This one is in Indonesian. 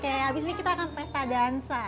oke habis ini kita akan pesta dansa